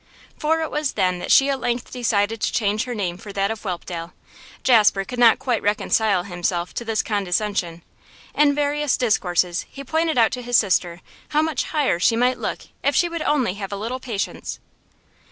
For it was then that she at length decided to change her name for that of Whelpdale. Jasper could not quite reconcile himself to this condescension; in various discourses he pointed out to his sister how much higher she might look if she would only have a little patience.